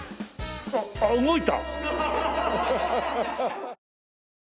あっ動いた。